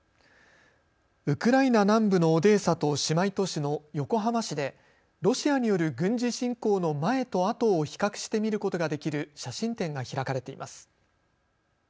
ウクライナ南部のオデーサと姉妹都市の横浜市でロシアによる軍事侵攻の前と後を比較して見ることができる写真展が開かれています。